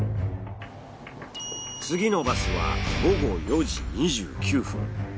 次のバスは午後４時２９分。